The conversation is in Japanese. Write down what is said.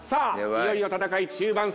いよいよ戦い中盤戦。